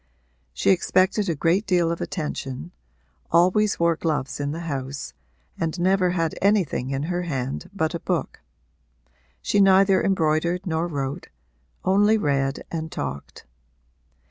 She expected a great deal of attention, always wore gloves in the house and never had anything in her hand but a book. She neither embroidered nor wrote only read and talked.